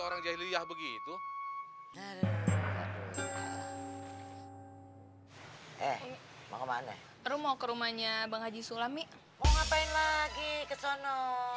orang jahiliyah begitu eh mau kemana aduh mau ke rumahnya bang haji sulami mau ngapain lagi ke sana